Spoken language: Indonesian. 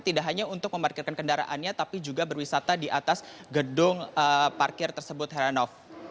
tidak hanya untuk memarkirkan kendaraannya tapi juga berwisata diatas gedung parkir tersebut hernof